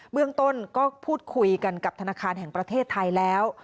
เรื่องต้นก็พูดคุยกันกับธนาคารแห่งประเทศไทยแล้ว